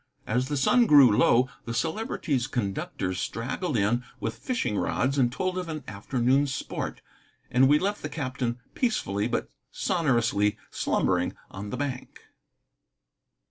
As the sun grew low, the Celebrity's conductors straggled in with fishing rods and told of an afternoon's sport, and we left the captain peacefully but sonorously slumbering on the bank.